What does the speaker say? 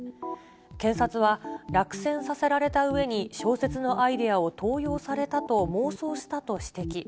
検察は、落選させられたうえに小説のアイデアを盗用されたと妄想したと指摘。